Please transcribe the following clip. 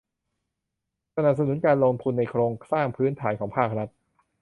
สนับสนุนการลงทุนในโครงสร้างพื้นฐานของภาครัฐ